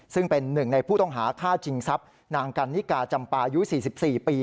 ซึ่งเป็นหนึ่งในผู้ต้องหาฆ่าชิงทรัพย์นางกันนิกาจำปาอายุ๔๔ปี